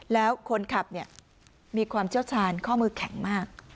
แล้วคนขับมีความเชี่ยวชาญข้อมือแข็งมาก